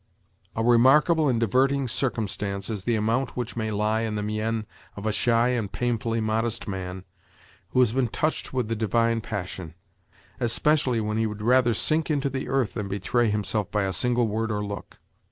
A remarkable and diverting circumstance is the amount which may lie in the mien of a shy and painfully modest man who has been touched with the divine passion—especially when he would rather sink into the earth than betray himself by a single word or look.